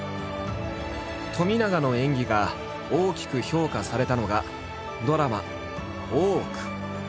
冨永の演技が大きく評価されたのがドラマ「大奥」。